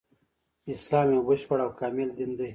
اسلام يو بشپړ او کامل دين دی